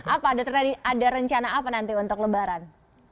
apa ada rencana apa nanti untuk lebaran